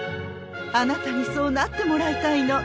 あなたにそうなってもらいたいの。